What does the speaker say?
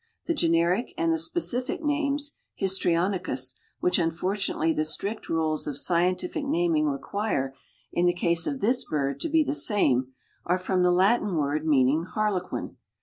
The generic and the specific names (Histrionicus), which unfortunately the strict rules of scientific naming require in the case of this bird to be the same, are from the Latin word meaning harlequin.